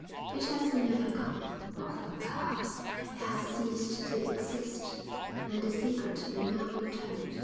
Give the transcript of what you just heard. It has been overcome; rather, perhaps, it has ceased to exist; and the secret may now be told.